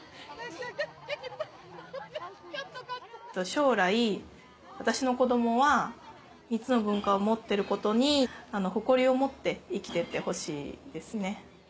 将来私の子供は３つの文化を持ってることに誇りを持って生きてってほしいですね。